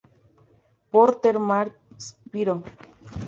Porter-Mark Spiro.